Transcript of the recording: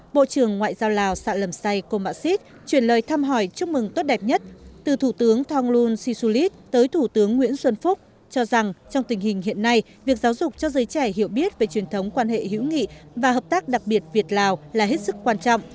bộ trưởng ngoại giao lào sạ lầm say cô mạ xít chuyển lời thăm hỏi chúc mừng tốt đẹp nhất từ thủ tướng thonglun sisulit tới thủ tướng nguyễn xuân phúc cho rằng trong tình hình hiện nay việc giáo dục cho giới trẻ hiểu biết về truyền thống quan hệ hữu nghị và hợp tác đặc biệt việt lào là hết sức quan trọng